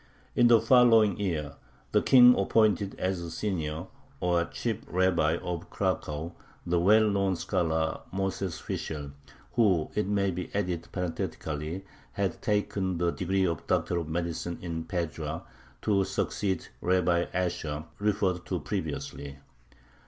In the following year the King appointed as "senior," or chief rabbi, of Cracow the well known scholar Moses Fishel who, it may be added parenthetically, had taken the degree of Doctor of Medicine in Padua to succeed Rabbi Asher, referred to previously.